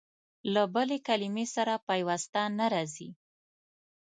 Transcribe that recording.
له بلې کلمې سره پيوسته نه راځي.